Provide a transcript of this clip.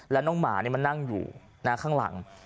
แล้วน้องหมามันนั่งอยู่ข้างหลัง